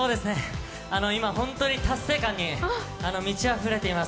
今、本当に達成感に満ちあふれています。